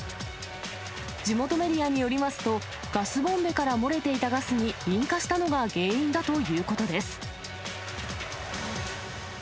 地元メディアによりますと、ガスボンベから漏れていたガスに引火したのが原因だということです。